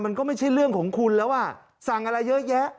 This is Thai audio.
มันก็ไม่ใช่เรื่องของคุณแล้วอ่ะสั่งอะไรเยอะแยะ